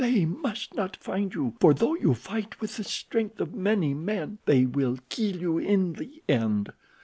"They must not find you, for, though you fight with the strength of many men, they will kill you in the end.